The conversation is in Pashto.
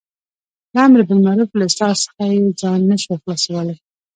له امر بالمعروف له څار څخه یې ځان نه شوای خلاصولای.